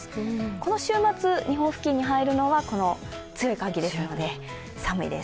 この週末、日本付近に入るのは強い寒気ですので寒いです。